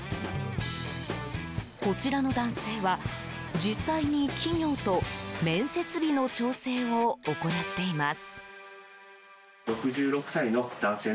こちらの男性は、実際に企業と面接日の調整を行っています。